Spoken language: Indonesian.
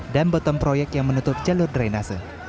dan betam proyek yang menutup jalur drainase